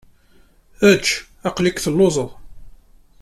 Ecc, aql-ik telluẓeḍ.